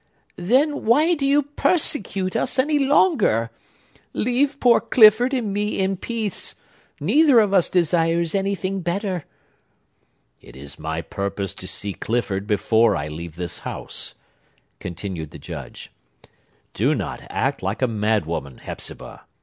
"Then, why do you persecute us any longer? Leave poor Clifford and me in peace. Neither of us desires anything better!" "It is my purpose to see Clifford before I leave this house," continued the Judge. "Do not act like a madwoman, Hepzibah!